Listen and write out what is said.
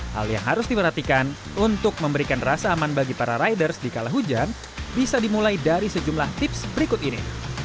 hal yang harus diperhatikan untuk memberikan rasa aman bagi para riders di kala hujan bisa dimulai dari sejumlah tips berikut ini